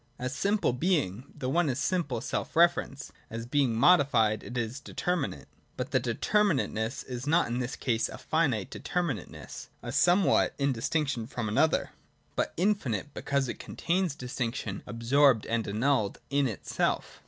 As simple Being, the One is simple self reference ; as Being modified it is determinate : but the determinateness is not in this case a finite determinate ness — a somewhat in distinction from an other — but infinite, because it contains distinction absorbed and annulled in itself.